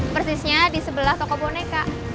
persisnya disebelah toko boneka